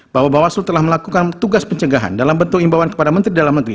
bahwa bawaslu telah melakukan tugas pencegahan dalam bentuk imbauan kepada menteri dalam negeri